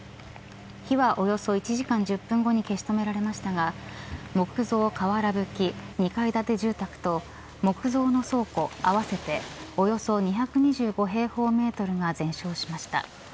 火はおよそ１時間１０分後に消し止められましたが木造瓦ぶき２階建て住宅と木造の倉庫合わせておよそ２２５平方メートルが全焼しました。